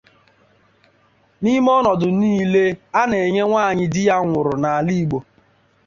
N'ime ọnọdụ niile a a na-enye nwaanyị di ya nwụrụ n'ala Igbo